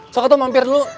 soka tuh mampir dulu